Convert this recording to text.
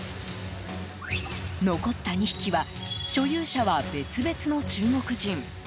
残った２匹は所有者は別々の中国人。